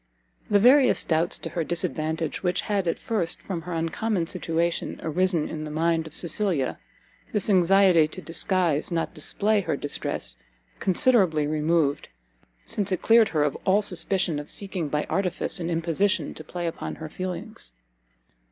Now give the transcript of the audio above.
The various doubts to her disadvantage, which had at first, from her uncommon situation, arisen in the mind of Cecilia, this anxiety to disguise, not display her distress, considerably removed, since it cleared her of all suspicion of seeking by artifice and imposition to play upon her feelings.